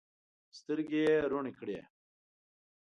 سترګې یې رڼې کړې.